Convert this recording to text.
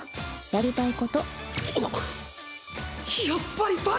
やりたいこと。